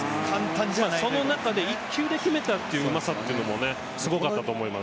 その中で１球で決めたうまさっていうのもすごかったと思います。